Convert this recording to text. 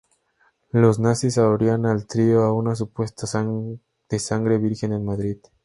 Los Nazis habrían al trío a una supuesta fiesta de sangre virgen en Madrid.